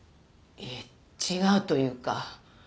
いえ違うというか。